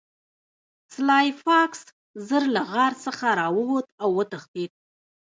سلای فاکس ژر له غار څخه راووت او وتښتید